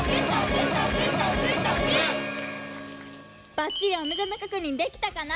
ばっちりおめざめ確認できたかな？